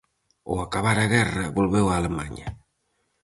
Ao acabar a guerra volveu a Alemaña.